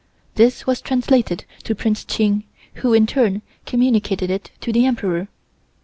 This was translated to Prince Ching, who, in turn, communicated it to the Emperor.